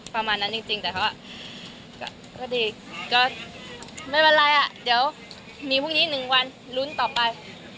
ประมาณนั้นจริงแต่เขาก็ดีก็ไม่เป็นไรอ่ะเดี๋ยวมีพรุ่งนี้๑วันลุ้นต่อไป